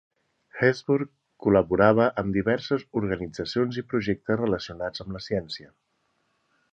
Hesburgh col·laborava amb diverses organitzacions i projectes relacionats amb la ciència.